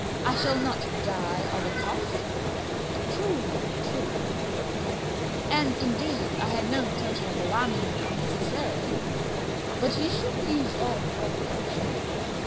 I shall not die of a cough." "True true," I replied; "and, indeed, I had no intention of alarming you unnecessarily but you should use all proper caution.